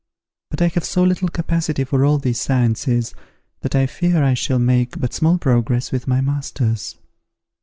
But I have so little capacity for all these sciences, that I fear I shall make but small progress with my masters.